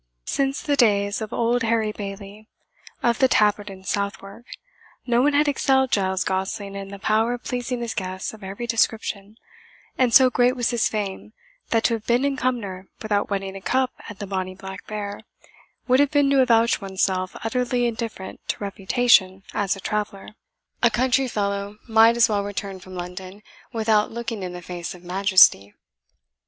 Since the days of old Harry Baillie of the Tabard in Southwark, no one had excelled Giles Gosling in the power of pleasing his guests of every description; and so great was his fame, that to have been in Cumnor without wetting a cup at the bonny Black Bear, would have been to avouch one's self utterly indifferent to reputation as a traveller. A country fellow might as well return from London without looking in the face of majesty.